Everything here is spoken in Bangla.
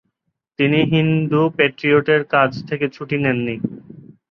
তিনি হিন্দু পেট্রিয়টের কাজ থেকে ছুটি নেন নি ।